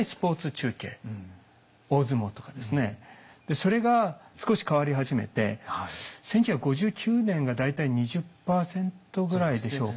それが少し変わり始めて１９５９年が大体２０％ぐらいでしょうか。